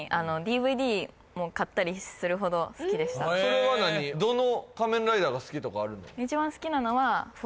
それは何どの仮面ライダーが好きとかあるの？